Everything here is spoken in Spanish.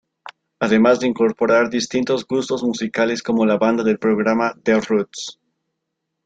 Además de incorporar distintos gustos musicales como la banda del programa The Roots.